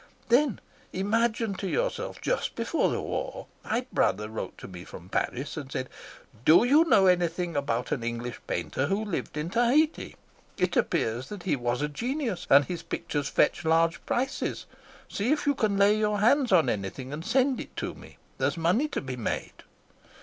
Then, imagine to yourself, just before the war my brother wrote to me from Paris, and said: 'Do you know anything about an English painter who lived in Tahiti? It appears that he was a genius, and his pictures fetch large prices. See if you can lay your hands on anything and send it to me. There's money to be made.'